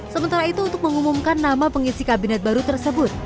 sementara itu untuk mengumumkan nama pengisi kabinet baru tersebut